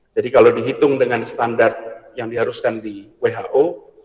jadi kalau dihitung dengan standar yang diharuskan di who